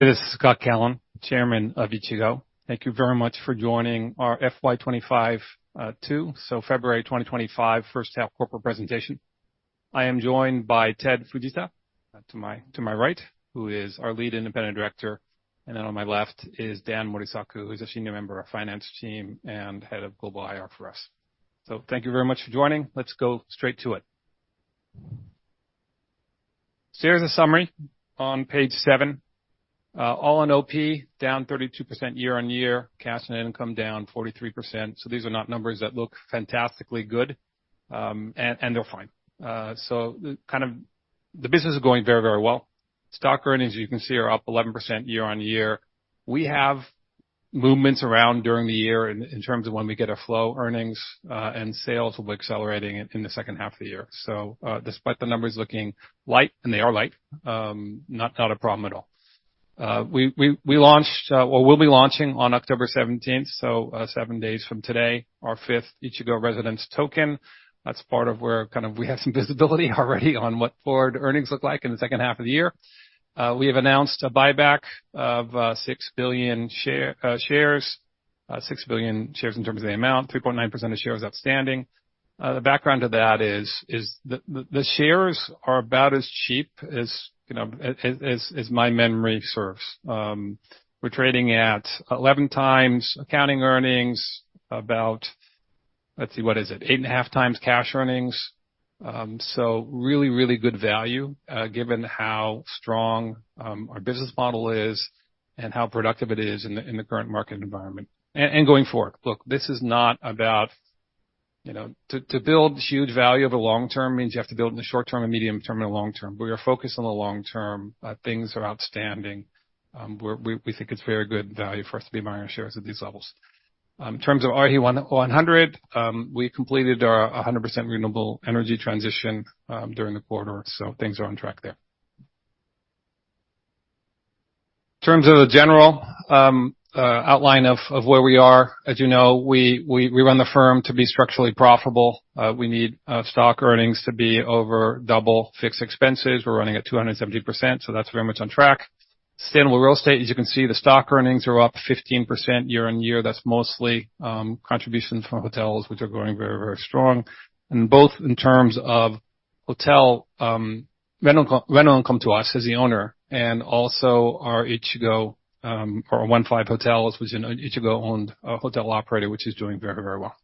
This is Scott Callon, Chairman of Ichigo. Thank you very much for joining our FY 2025/2, so February twenty twenty-five first half corporate presentation. I am joined by Tetsuya Fujita to my right, who is our Lead Independent Director, and then on my left is Dan Morisaku, who's a senior member of Finance Team and Head of Global IR for us. So thank you very much for joining. Let's go straight to it. So here's a summary on page seven. All-In OP, down 32% year-on-year, cash and income down 43%. So these are not numbers that look fantastically good, and they're fine. So the business is going very, very well. Stock Earnings, you can see, are up 11% year-on-year. We have movements around during the year in terms of when we get our Flow Earnings, and sales will be accelerating in the second half of the year. Despite the numbers looking light, and they are light, not a problem at all. We launched or will be launching on October 17th, so seven days from today, our fifth Ichigo Residence Token. That's part of where kind of we have some visibility already on what forward earnings look like in the second half of the year. We have announced a buyback of 6 billion of shares, 3.9% of shares outstanding. The background to that is the shares are about as cheap as you know as my memory serves. We're trading at eleven times accounting earnings, about—Let's see, what is it? 8.5x Cash Earnings. So really, really good value, given how strong our business model is and how productive it is in the current market environment, and going forward. Look, this is not about, you know, to, to build huge value over the long term means you have to build in the short term and medium term and the long term. We are focused on the long term. Things are outstanding. We think it's very good value for us to be buying our shares at these levels. In terms of RE100, we completed our 100% renewable energy transition during the quarter, so things are on track there. In terms of the general outline of where we are, as you know, we run the firm to be structurally profitable. We need Stock Earnings to be over double fixed expenses. We're running at 270%, so that's very much on track. Sustainable real estate, as you can see, the Stock Earnings are up 15% year-on-year. That's mostly contributions from hotels, which are growing very, very strong. And both in terms of hotel rental income to us as the owner, and also our Ichigo OneFive Hotels, which is an Ichigo-owned hotel operator, which is doing very, very well.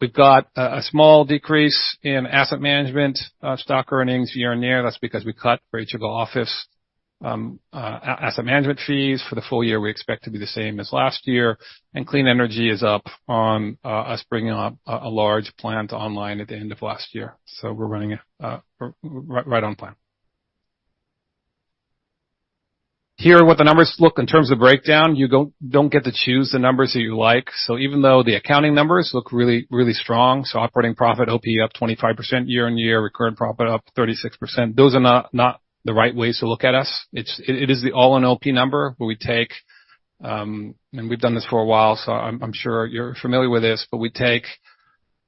We've got a small decrease in Asset Management's stock earnings year-on-year. That's because we cut for Ichigo Office asset management fees. For the full year, we expect to be the same as last year, and Clean Energy is up on us bringing on a large plant online at the end of last year. So we're running right on plan. Here, what the numbers look like in terms of breakdown, you don't get to choose the numbers that you like. So even though the accounting numbers look really, really strong, so operating profit, OP, up 25% year-on-year, recurrent profit up 36%, those are not the right ways to look at us. It is the All-In OP number, where we take— And we've done this for a while, so I'm sure you're familiar with this, but we take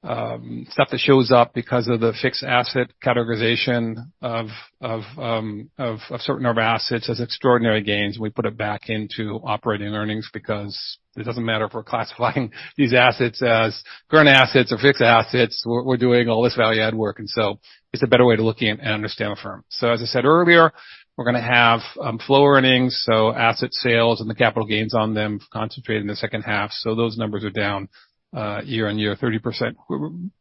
stuff that shows up because of the fixed asset categorization of certain of our assets as extraordinary gains, and we put it back into operating earnings because it doesn't matter if we're classifying these assets as current assets or fixed assets. We're doing all this value add work, and so it's a better way to look at and understand our firm. So as I said earlier, we're gonna have Flow Earnings, so asset sales and the capital gains on them concentrated in the second half. So those numbers are down year-on-year, 30%.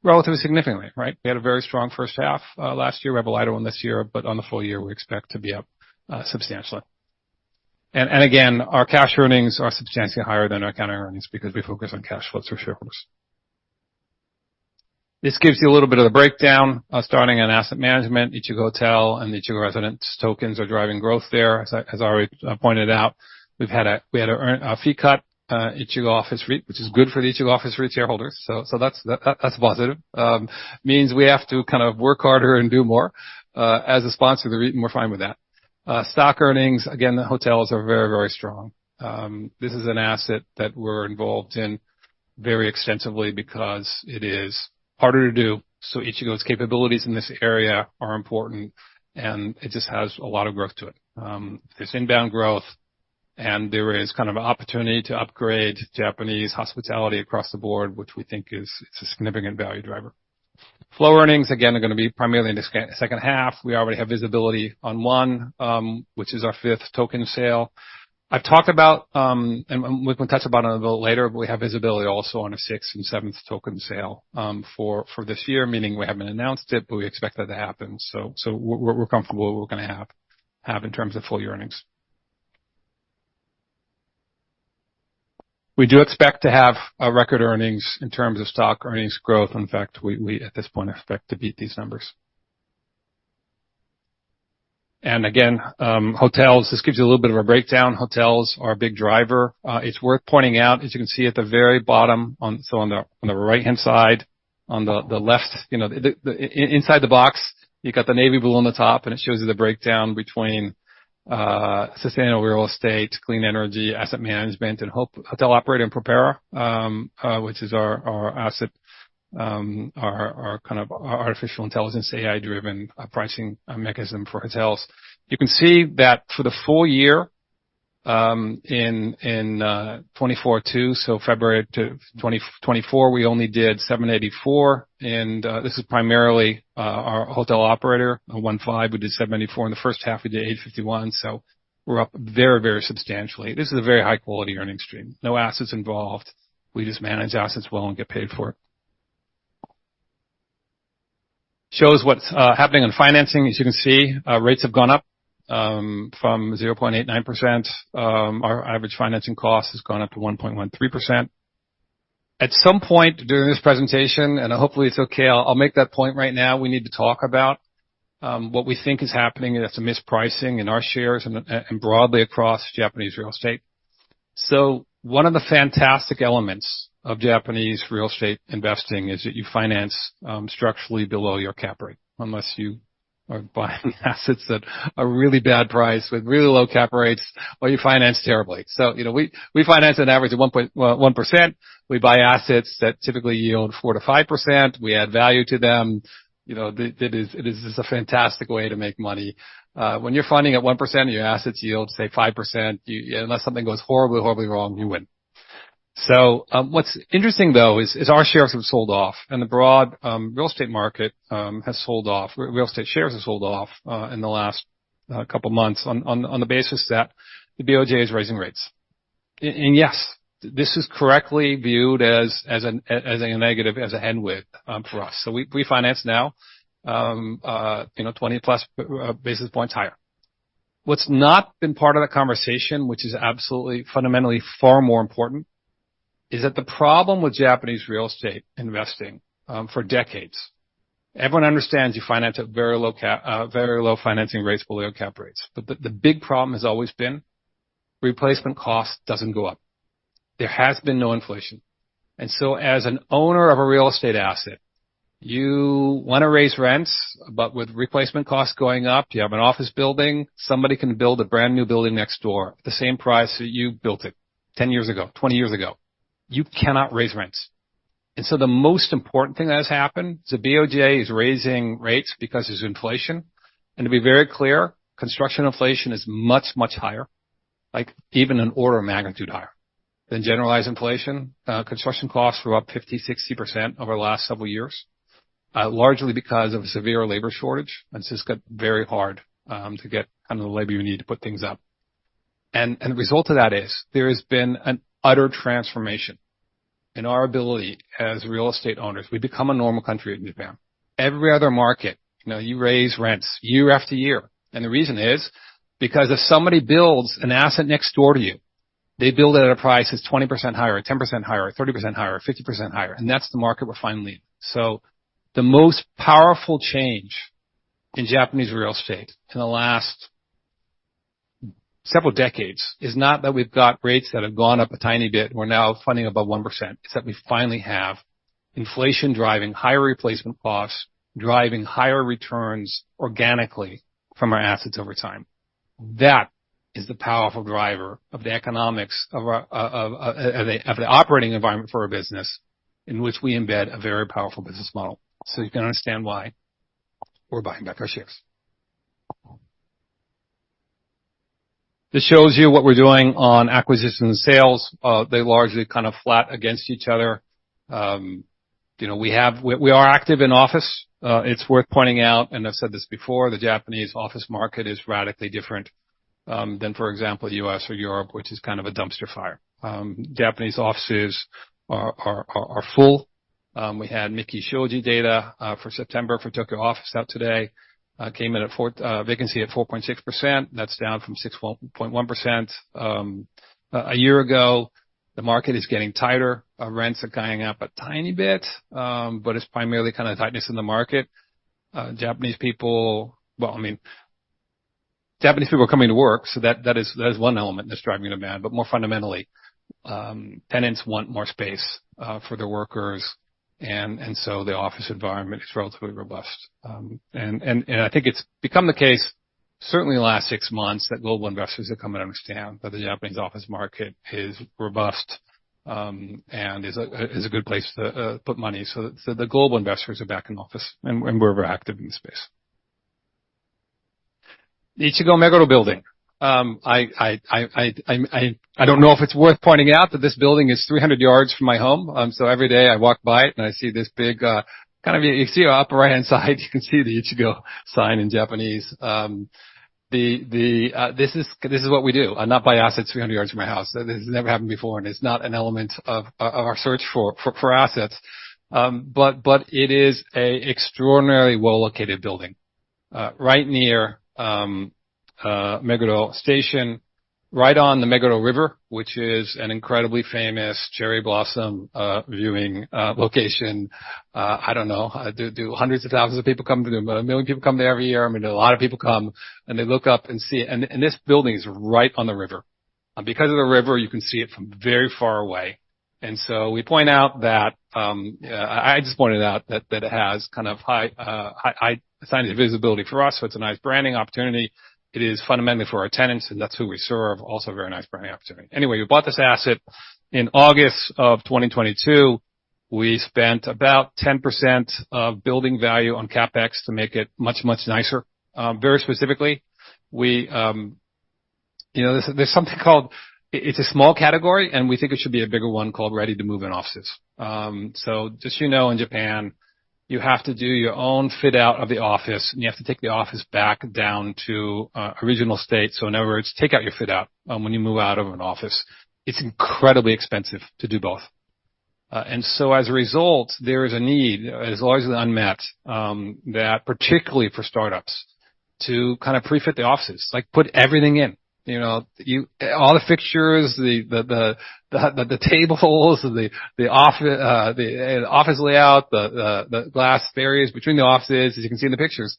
Relatively significantly, right? We had a very strong first half last year. We have a lighter one this year, but on the full year, we expect to be up substantially. And again, our Cash Earnings are substantially higher than our accounting earnings, because we focus on cash flows for shareholders. This gives you a little bit of the breakdown starting on Asset Management. Ichigo Hotel and the Ichigo Residence Tokens are driving growth there. As I already pointed out, we've had a fee cut, Ichigo Office REIT, which is good for the Ichigo Office REIT shareholders, so that's positive. Means we have to kind of work harder and do more as a sponsor of the REIT, and we're fine with that. Stock earnings, again, the hotels are very, very strong. This is an asset that we're involved in very extensively because it is harder to do, so Ichigo's capabilities in this area are important, and it just has a lot of growth to it. There's inbound growth, and there is kind of an opportunity to upgrade Japanese hospitality across the board, which we think is, it's a significant value driver. Flow Earnings, again, are gonna be primarily in the second half. We already have visibility on one, which is our fifth token sale. I've talked about, and we can touch upon it a little later, but we have visibility also on a sixth and seventh token sale, for this year, meaning we haven't announced it, but we expect that to happen. So we're comfortable with what we're gonna have in terms of full year earnings. We do expect to have a record earnings in terms of Stock Earnings growth. In fact, we at this point expect to beat these numbers. And again, Hotels, this gives you a little bit of a breakdown. Hotels are a big driver. It's worth pointing out, as you can see at the very bottom, on the right-hand side, on the left, you know, the inside the box, you've got the navy blue on the top, and it shows you the breakdown between Sustainable Real Estate, Clean Energy, Asset Management, and Hotel operator and PROPERA, which is our asset, our kind of artificial intelligence, AI-driven pricing mechanism for hotels. You can see that for the full year— In 2024, so February of 2024, we only did 784 million, and this is primarily our hotel operator. OneFive, we did 784 million. In the first half of the year, 851 million, so we're up very, very substantially. This is a very high quality earning stream, no assets involved. We just manage assets well and get paid for it. Shows what's happening in financing. As you can see, rates have gone up from 0.89%. Our average financing cost has gone up to 1.13%. At some point during this presentation, and hopefully it's okay, I'll make that point right now, we need to talk about what we think is happening, and that's a mispricing in our shares and broadly across Japanese real estate. So one of the fantastic elements of Japanese real estate investing is that you finance structurally below your cap rate, unless you are buying assets at a really bad price with really low cap rates, or you finance terribly. You know, we finance on average at 1%. We buy assets that typically yield 4%-5%. We add value to them. You know, it is just a fantastic way to make money. When you're funding at 1% and your assets yield, say, 5%, you, unless something goes horribly, horribly wrong, you win. What's interesting, though, is our shares have sold off and the broad real estate market has sold off. Real estate shares have sold off in the last couple months on the basis that the BOJ is raising rates. And yes, this is correctly viewed as a negative, as a headwind, for us. So we finance now, you know, 20-plus basis points higher. What's not been part of the conversation, which is absolutely, fundamentally far more important, is that the problem with Japanese real estate investing, for decades, everyone understands you finance at very low very low financing rates below cap rates. But the big problem has always been replacement cost doesn't go up. There has been no inflation. As an owner of a real estate asset, you want to raise rents, but with replacement costs going up, you have an office building. Somebody can build a brand-new building next door at the same price that you built it 10 years ago, 20 years ago. You cannot raise rents. The most important thing that has happened is the BOJ is raising rates because there's inflation. To be very clear, construction inflation is much, much higher, like, even an order of magnitude higher than generalized inflation. Construction costs were up 50%-60% over the last several years, largely because of a severe labor shortage, and it's just got very hard to get kind of the labor you need to put things up. The result of that is there has been an utter transformation in our ability as real estate owners. We've become a normal country in Japan. Every other market, you know, you raise rents year after year, and the reason is, because if somebody builds an asset next door to you, they build it at a price that's 20% higher, or 10% higher, or 30% higher, or 50% higher, and that's the market we're finally in. So the most powerful change in Japanese real estate in the last several decades is not that we've got rates that have gone up a tiny bit, we're now funding above 1%, it's that we finally have inflation driving higher replacement costs, driving higher returns organically from our assets over time. That is the powerful driver of the economics of our operating environment for our business, in which we embed a very powerful business model. So you can understand why we're buying back our shares. This shows you what we're doing on acquisitions and sales. They largely kind of flat against each other. You know, we have, we are active in office. It's worth pointing out, and I've said this before, the Japanese office market is radically different than, for example, U.S. or Europe, which is kind of a dumpster fire. Japanese offices are full. We had Miki Shoji data for September for Tokyo office out today. Came in at vacancy at 4.6%. That's down from 6.1% a year ago. The market is getting tighter. Rents are going up a tiny bit, but it's primarily kind of tightness in the market. Japanese people— I mean, Japanese people are coming to work, so that is one element that's driving demand, but more fundamentally, tenants want more space for their workers, and so the office environment is relatively robust. And I think it's become the case, certainly in the last six months, that global investors are coming to understand that the Japanese office market is robust and is a good place to put money. So the global investors are back in office, and we're very active in the space. Ichigo Meguro Building. I don't know if it's worth pointing out that this building is 300 yards from my home. Every day I walk by it and I see this big kind of, you see the upper right-hand side, you can see the Ichigo sign in Japanese. This is what we do. We do not buy assets 300 yards from my house. That has never happened before, and it's not an element of our search for assets. But it is an extraordinarily well-located building right near Meguro Station, right on the Meguro River, which is an incredibly famous cherry blossom viewing location. I don't know, do hundreds of thousands of people come there? But 1 million people come there every year. I mean, a lot of people come, and they look up and see it, and this building is right on the river. Because of the river, you can see it from very far away. We point out that. I just pointed out that it has kind of high visibility for us. It is a nice branding opportunity. It is fundamentally for our tenants, and that is who we serve, also a very nice branding opportunity. Anyway, we bought this asset in August of twenty twenty-two. We spent about 10% of building value on CapEx to make it much, much nicer. Very specifically, we, you know, there is something called. It is a small category, and we think it should be a bigger one, called Ready To Move In Offices. So just so you know, in Japan, you have to do your own fit out of the office, and you have to take the office back down to original state, so in other words, take out your fit out when you move out of an office. It's incredibly expensive to do both, and so as a result, there is a need, it's always unmet, that particularly for startups, to kind of pre-fit the offices, like, put everything in. You know, all the fixtures, the tables, the office layout, the glass barriers between the offices, as you can see in the pictures,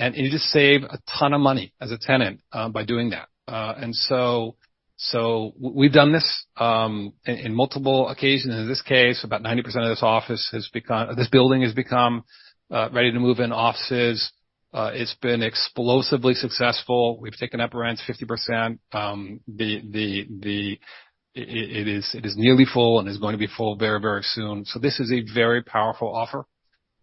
and you just save a ton of money as a tenant by doing that, and so we've done this in multiple occasions. In this case, about 90% of this office has become, this building has become Ready To Move In Offices. It's been explosively successful. We've taken up rents 50%. The it is nearly full, and is going to be full very, very soon. So this is a very powerful offer,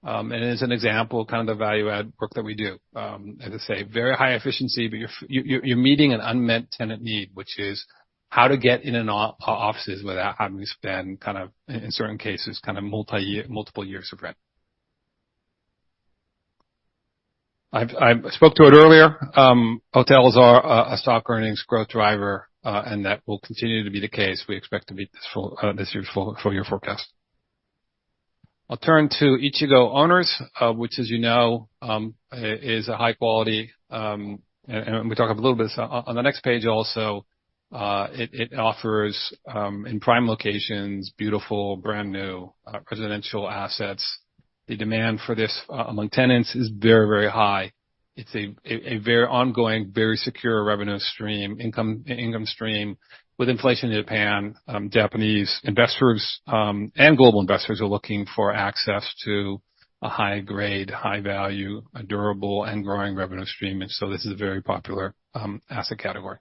and as an example, kind of the value add work that we do. As I say, very high efficiency, but you're meeting an unmet tenant need, which is how to get in and out of offices without having to spend, kind of, in certain cases, kind of, multi-year, multiple years of rent. I spoke to it earlier, hotels are a stock earnings growth driver, and that will continue to be the case. We expect to meet this full year's full year forecast. I'll turn to Ichigo Owners, which, as you know, is a high quality, and we talk a little bit on the next page also. It offers in prime locations, beautiful, brand-new, residential assets. The demand for this among tenants is very high. It's a very ongoing, very secure revenue stream, income stream. With inflation in Japan, Japanese investors and global investors are looking for access to a high grade, high value, a durable and growing revenue stream, and so this is a very popular asset category,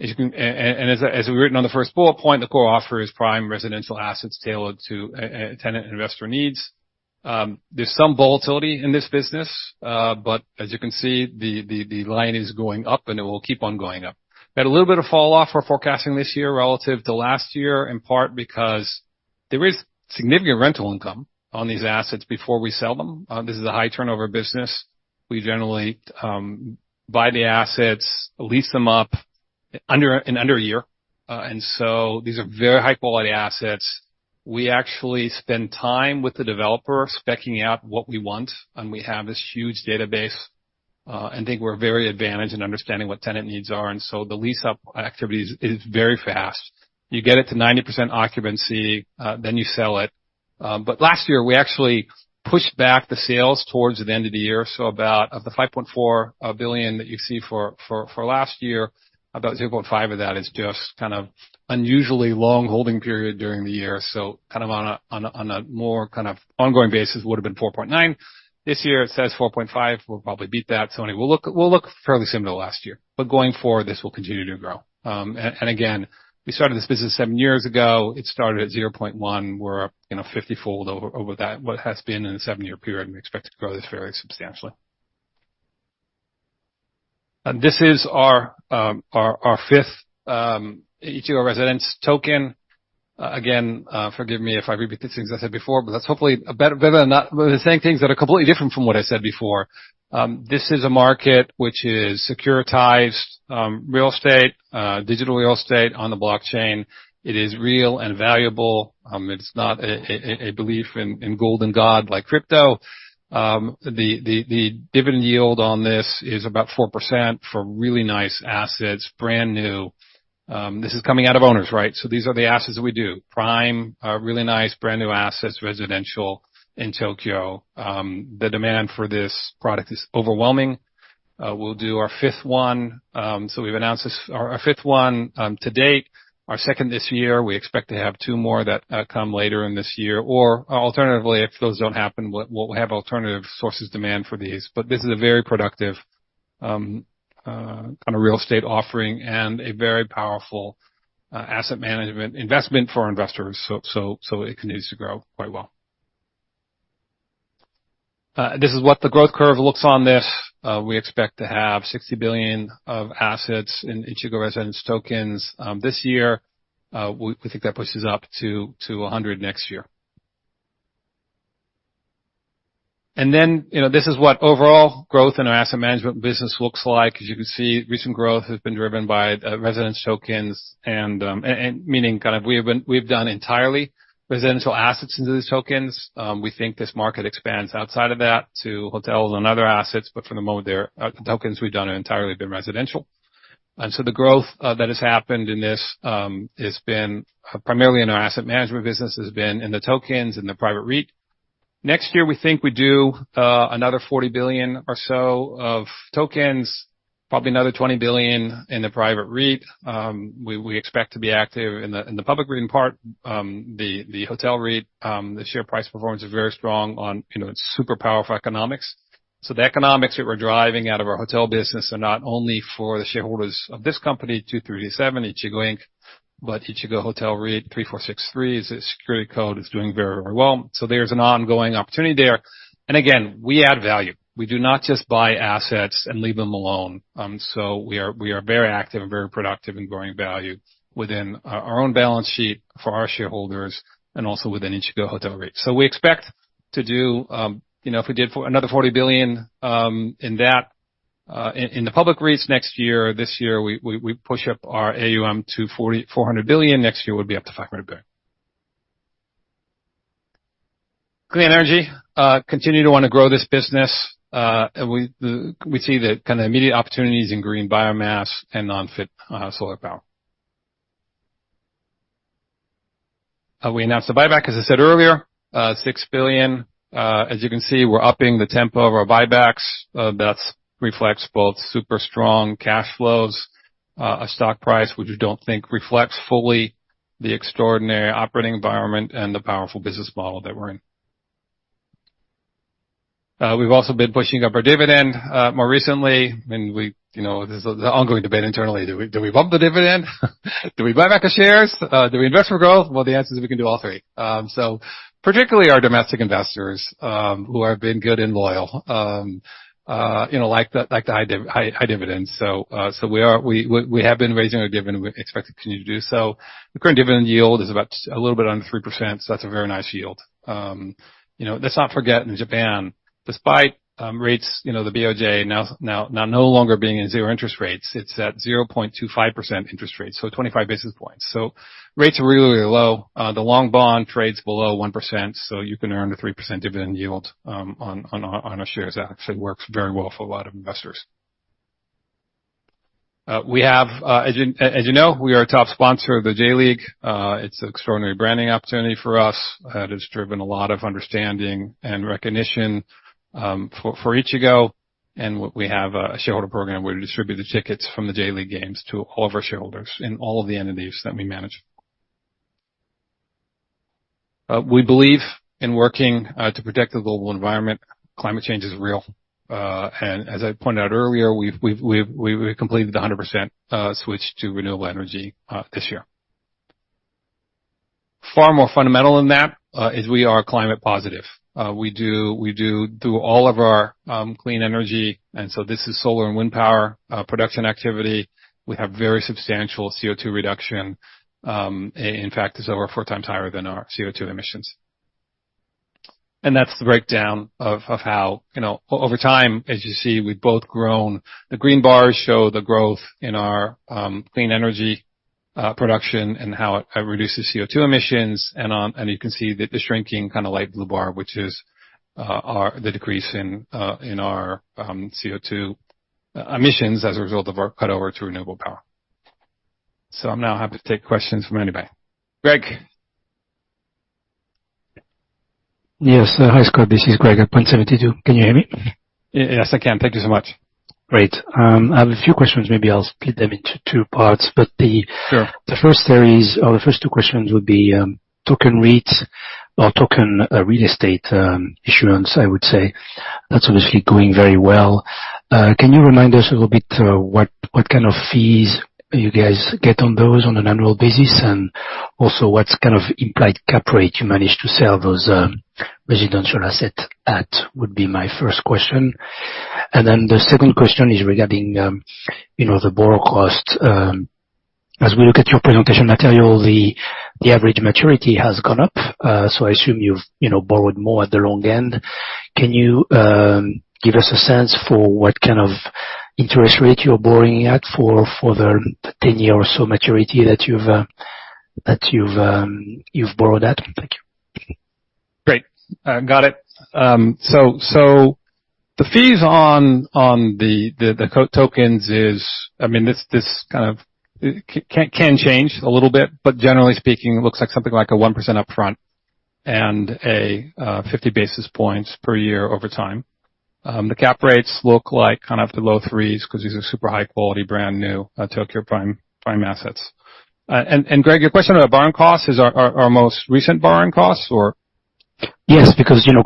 and as we've written on the first bullet point, the core offer is prime residential assets tailored to tenant investor needs. There's some volatility in this business, but as you can see, the line is going up, and it will keep on going up. Had a little bit of fall off, we're forecasting this year relative to last year, in part because there is significant rental income on these assets before we sell them. This is a high turnover business. We generally buy the assets, lease them up in under a year. And so these are very high quality assets. We actually spend time with the developer, specing out what we want, and we have this huge database, and think we're very advantaged in understanding what tenant needs are, and so the lease-up activities is very fast. You get it to 90% occupancy, then you sell it. But last year, we actually pushed back the sales towards the end of the year, so about ¥5.4 billion that you see for last year, about 0.5 billion of that is just kind of an unusually long holding period during the year. Kind of on a more ongoing basis, would have been 4.9 billion. This year, it says 4.5 billion. We'll probably beat that. I mean, we'll look fairly similar to last year, but going forward, this will continue to grow. Again, we started this business seven years ago. It started at ¥0.1 billion. You know, fiftyfold over that in a seven-year period, and we expect to grow this very substantially. This is our fifth Ichigo Residence Token. Again, forgive me if I repeat the things I said before, but that's hopefully better than not, but the same things that are completely different from what I said before. This is a market which is securitized real estate, digital real estate on the blockchain. It is real and valuable. It's not a belief in gold and God like crypto. The dividend yield on this is about 4% for really nice assets, brand new. This is coming out of Owners, right? So these are the assets that we do. Prime, really nice, brand-new assets, residential in Tokyo. The demand for this product is overwhelming. We'll do our fifth one. So we've announced this, our fifth one to date, our second this year. We expect to have two more that come later in this year. Or alternatively, if those don't happen, we'll have alternative sources demand for these. But this is a very productive kind of real estate offering and a very powerful asset management investment for our investors, so it continues to grow quite well. This is what the growth curve looks on this. We expect to have 60 billion of assets in Ichigo Residence Tokens this year. We think that pushes up to 100 next year. And then, you know, this is what overall growth in our asset management business looks like. As you can see, recent growth has been driven by residence tokens and meaning kind of we've done entirely residential assets into these tokens. We think this market expands outside of that, to hotels and other assets, but for the moment, they're the tokens we've done have entirely been residential. And so the growth that has happened in this has been primarily in our asset management business, has been in the tokens and the private REIT. Next year, we think we do anotherJPY 40 billion or so of tokens. Probably another 20 billion in the private REIT. We expect to be active in the public REIT part. The hotel REIT, the share price performance is very strong on, you know, it's super powerful economics. So the economics that we're driving out of our hotel business are not only for the shareholders of this company, 2337, Ichigo Inc, but Ichigo Hotel REIT 3463, is the security code, is doing very, very well. So there's an ongoing opportunity there. And again, we add value. We do not just buy assets and leave them alone. So we are very active and very productive in growing value within our own balance sheet for our shareholders and also within Ichigo Hotel REIT. So we expect to do, you know, if we did for another 40 billion in that, in the public REITs next year, this year, we push up our AUM to 400 billion. Next year, we'll be up to 500 billion. Clean Energy continue to wanna grow this business, and we see the kind of immediate opportunities in green biomass and non-FIT solar power. We announced the buyback, as I said earlier, 6 billion. As you can see, we're upping the tempo of our buybacks. That's reflects both super strong cash flows, a stock price which we don't think reflects fully the extraordinary operating environment and the powerful business model that we're in. We've also been pushing up our dividend more recently, and we, you know, there's an ongoing debate internally. Do we bump the dividend? Do we buy back the shares? Do we invest for growth? The answer is, we can do all three. So particularly our domestic investors, who have been good and loyal, you know, like the high dividends. So we have been raising our dividend, and we expect to continue to do so. The current dividend yield is about a little bit under 3%, so that's a very nice yield. You know, let's not forget, in Japan, despite rates, you know, the BOJ no longer being in zero interest rates, it's at 0.25% interest rate, so twenty-five basis points. So rates are really, really low. The long bond trades below 1%, so you can earn a 3% dividend yield on our shares. That actually works very well for a lot of investors. As you know, we are a top sponsor of the J.League. It's an extraordinary branding opportunity for us. It has driven a lot of understanding and recognition for Ichigo, and we have a shareholder program where we distribute the tickets from the J.League games to all of our shareholders in all of the entities that we manage. We believe in working to protect the global environment. Climate change is real, and as I pointed out earlier, we've completed the 100% switch to renewable energy this year. Far more fundamental than that is we are climate positive. We do through all of our Clean Energy, and so this is solar and wind power production activity. We have very substantial CO2 reduction. In fact, it's over four times higher than our CO2 emissions. That's the breakdown of how, you know, over time, as you see, we've both grown. The green bars show the growth in our Clean Energy production and how it reduces CO2 emissions. You can see that the shrinking kind of light blue bar, which is our decrease in our CO2 emissions as a result of our cut over to renewable power. So I'm now happy to take questions from anybody. Grég? Yes, hi, Scott. This is Grég at Point72. Can you hear me? Yes, I can. Thank you so much. Great. I have a few questions. Maybe I'll split them into two parts, but the- Sure. The first series, or the first two questions would be, token REIT or token real estate issuance, I would say. That's obviously going very well. Can you remind us a little bit, what kind of fees you guys get on those on an annual basis? And also, what kind of implied cap rate you manage to sell those residential asset at, would be my first question. And then the second question is regarding, you know, the borrow cost. As we look at your presentation material, the average maturity has gone up, so I assume you've, you know, borrowed more at the long end. Can you give us a sense for what kind of interest rate you're borrowing at for the ten year or so maturity that you've borrowed at? Thank you. Great. Got it. So the fees on the tokens is, I mean, this kind of can change a little bit, but generally speaking, it looks like something like a 1% upfront and a 50 basis points per year over time. The cap rates look like kind of the low 3%, 'cause these are super high quality, brand new Tokyo prime prime assets. And Grég, your question about borrowing costs is our most recent borrowing costs, or? Yes, because, you know,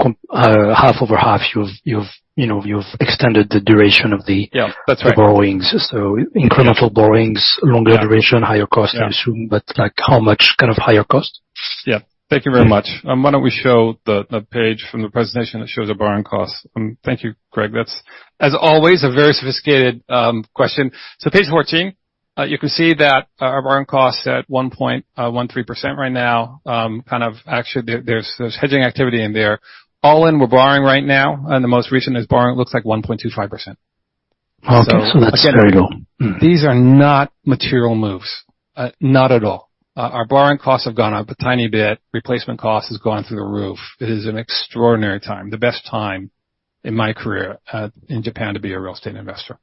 half over half, you've, you know, you've extended the duration of the— Yeah, that's right. Of the borrowings. So incremental borrowings, longer duration higher cost, I assume? But, like, how much kind of higher cost? Yeah. Thank you very much. Why don't we show the page from the presentation that shows our borrowing costs? Thank you, Grég. That's, as always, a very sophisticated question. So page 14, you can see that our borrowing costs at 1.13% right now, kind of actually, there's hedging activity in there. All in, we're borrowing right now, and the most recent borrowing looks like 1.25%. Okay. So that's very low. These are not material moves, not at all. Our borrowing costs have gone up a tiny bit. Replacement cost has gone through the roof. It is an extraordinary time, the best time in my career, in Japan, to be a real estate investor.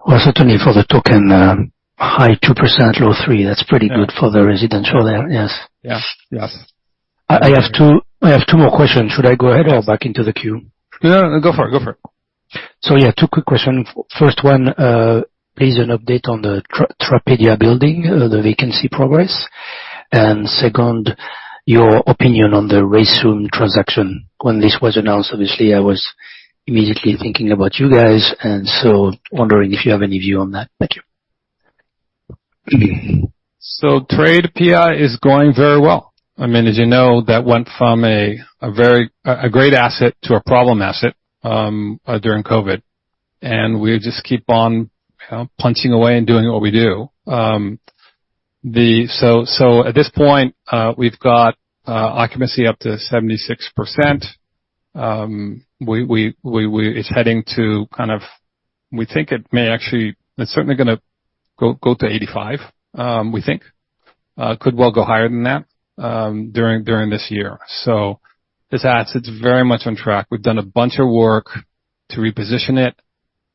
Also, sorry, for the token, high 2%, low 3%, that's pretty good for the residential there, yes? Yeah. Yes. I have two more questions. Should I go ahead or back into the queue? No, no, go for it. Go for it. So yeah, two quick questions. First one, please an update on the Tradepia Building, the vacancy progress, and second, your opinion on the Raysum transaction. When this was announced, obviously, I was immediately thinking about you guys, and so wondering if you have any view on that. Thank you. Tradepia is going very well. I mean, as you know, that went from a very great asset to a problem asset during COVID, and we just keep on punching away and doing what we do. So at this point, we've got occupancy up to 76%. It's heading to kind of. We think it may actually. It's certainly gonna go to 85%, we think. Could well go higher than that during this year. So this asset's very much on track. We've done a bunch of work to reposition it.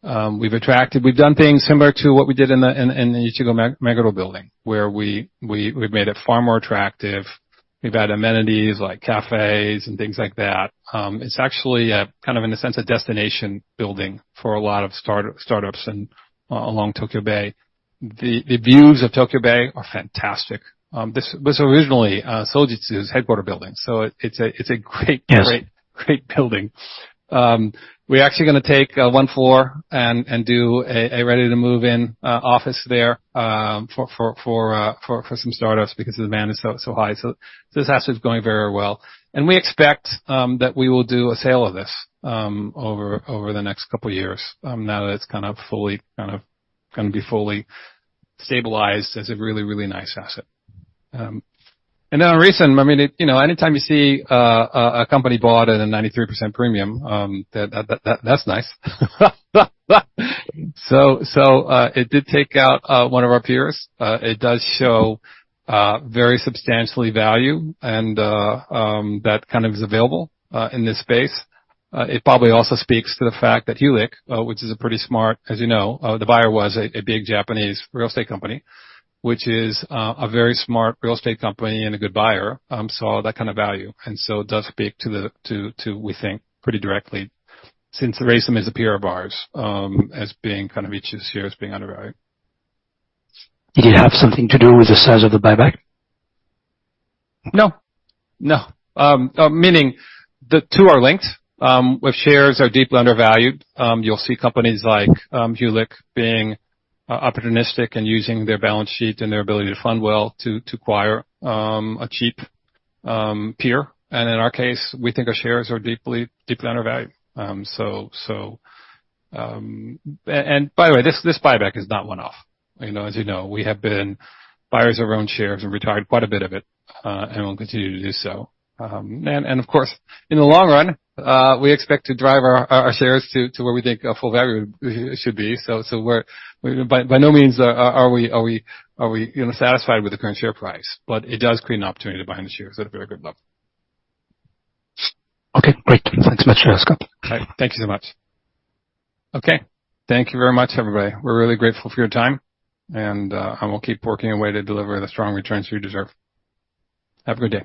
We've done things similar to what we did in the Ichigo Meguro Building, where we've made it far more attractive. We've added amenities like cafes and things like that. It's actually, kind of in a sense, a destination building for a lot of startups and along Tokyo Bay. The views of Tokyo Bay are fantastic. This was originally Sojitz's headquarters building, so it's a great, great, great building. We're actually gonna take one floor and do a Ready To Move In Offices there for some startups because the demand is so high. So this asset is going very well. And we expect that we will do a sale of this over the next couple of years now that it's kind of fully stabilized as a really, really nice asset. And then recently, I mean, you know, anytime you see a company bought at a 93% premium, that that's nice. So it did take out one of our peers. It does show very substantial value, and that kind of is available in this space. It probably also speaks to the fact that Hulic, which is a pretty smart, as you know, the buyer was a big Japanese real estate company, which is a very smart real estate company and a good buyer, saw that kind of value. And so it does speak to the, we think, pretty directly, since Raysum is a peer of ours, as being kind of each year as being undervalued. Did it have something to do with the size of the buyback? No. No. Meaning the two are linked. If shares are deeply undervalued, you'll see companies like Hulic being opportunistic and using their balance sheet and their ability to fund well to acquire a cheap peer. And in our case, we think our shares are deeply, deeply undervalued. So, so—And by the way, this buyback is not one-off. You know, as you know, we have been buyers of our own shares and retired quite a bit of it, and we'll continue to do so. And, and of course, in the long run, we expect to drive our shares to where we think a full value should be. So we're by no means are we, you know, satisfied with the current share price, but it does create an opportunity to buy in the shares at a very good level. Okay, great. Thanks so much, Scott. All right. Thank you so much. Okay. Thank you very much, everybody. We're really grateful for your time, and I will keep working a way to deliver the strong returns you deserve. Have a good day.